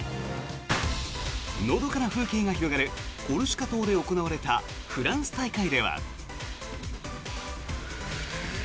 のどかな風景が広がるコルシカ島で行われたフランス大会では。